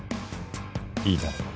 いいだろう。